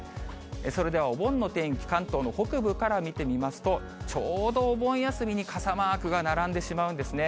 それではお盆の天気、関東の北部から見てみますと、ちょうどお盆休みに傘マークが並んでしまうんですね。